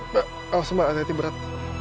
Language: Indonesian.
mbak awas mbak hati hati berat